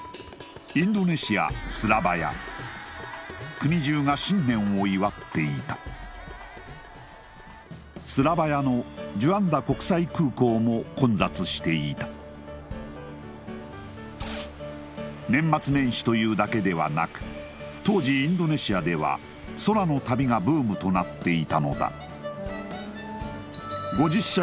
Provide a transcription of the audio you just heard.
国中が新年を祝っていたスラバヤのも混雑していた年末年始というだけではなく当時インドネシアではとなっていたのだし